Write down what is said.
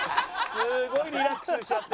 すごいリラックスしちゃって。